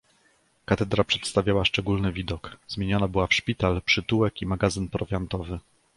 "Katedra przedstawiała szczególny widok: zmieniona była w szpital, przytułek i magazyn prowiantowy."